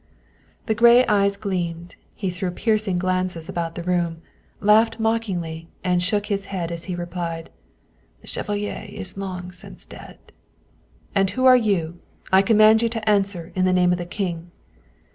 " The gray eyes gleamed, he threw piercing glances about the room, laughed mockingly, and shook his head as he replied, " The chevalier is long since dead." " And who are you ? I command you to answer, in the name of the king."